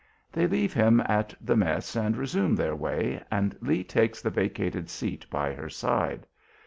They leave him at the Mess and resume their way, and Lee takes the vacated seat by her side.